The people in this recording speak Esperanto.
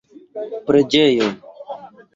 preĝejo